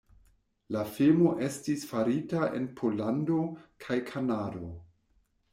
La filmo estis farita en Pollando kaj Kanado.